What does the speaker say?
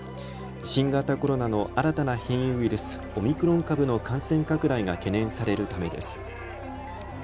新型コロナの新たな変異ウイルス、オミクロン株の感染拡大が懸念されるためです。